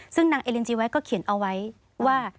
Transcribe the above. ซึ่งนางเอลินจีไว้ก็เขียนเอาไว้ว่า